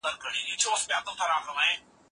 رشوت اخیستل په ادارو کې یو عام رواج و.